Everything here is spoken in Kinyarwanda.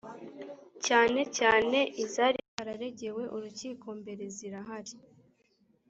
cyane cyane izari zararegewe urukiko mbere zirahari